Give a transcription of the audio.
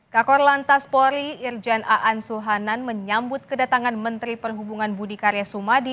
kakor lantas polri irjen aan suhanan menyambut kedatangan menteri perhubungan budi karya sumadi